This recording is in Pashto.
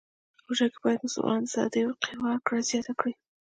روژه کې باید مسلمان د صدقې ورکړه زیاته کړی.